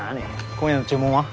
今夜の注文は？